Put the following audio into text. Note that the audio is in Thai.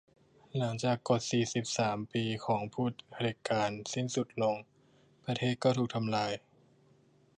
หลังจากกฎสี่สิบสามปีของผู้เผด็จการสิ้นสุดลง ประเทศก็ถูกทำลาย